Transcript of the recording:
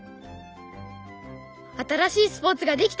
新しいスポーツが出来た！